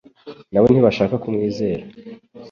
na bo ntibashaka kumwizera.